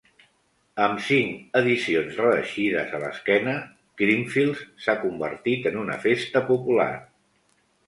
Amb cinc edicions reeixides a l'esquena, Creamfields s'ha convertit en una festa popular.